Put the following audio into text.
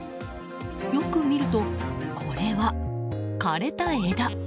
よく見ると、これは枯れた枝。